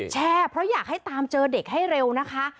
แชร์เพราะอยากให้ตามเจอเด็กให้เร็วนะคะ